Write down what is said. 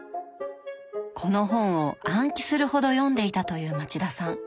この本を暗記するほど読んでいたという町田さん。